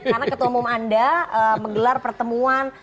karena ketua umum anda menggelar pertanyaan